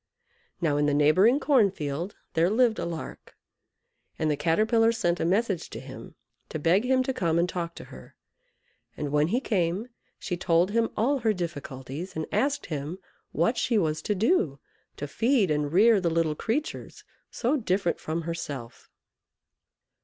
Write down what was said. Now in the neighbouring corn field their lived a Lark, and the Caterpillar sent a message to him, to beg him to come and talk to her, and when he came she told him all her difficulties, and asked him what she was to do to feed and rear the little creatures so different from herself.